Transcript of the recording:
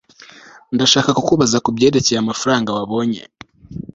Ndashaka kukubaza kubyerekeye amafaranga wabonye